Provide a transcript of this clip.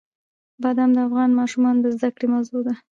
بادام د افغان ماشومانو د زده کړې موضوع ده.